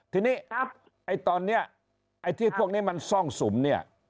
ทีนี้ไอ้ตอนนี้ไอ้ที่พวกนี้มันซ่องสุมเนี่ย